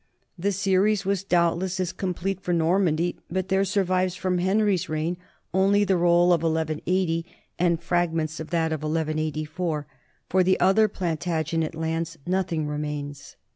The series was doubtless as complete for Normandy, but there sur vive from Henry's reign only the roll of 1180 and frag ments of that of 1184. For the other Plantagenet lands nothing remains.